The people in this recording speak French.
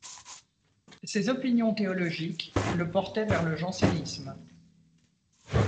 Ses opinions théologiques le portaient vers le jansénisme.